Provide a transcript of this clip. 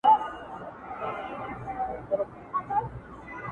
بالاخره د مهاجرینو کمپ ته ولاړم